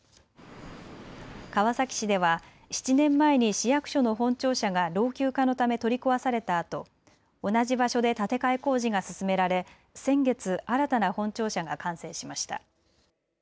川崎市では７年前に市役所の本庁舎が老朽化のため取り壊されたあと同じ場所で建て替え工事が進められ先月、新たな本庁舎が完成しました。